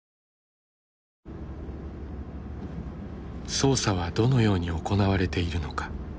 捜査はどのように行われているのか。